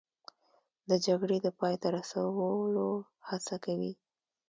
د جګړې د پای ته رسولو هڅه کوي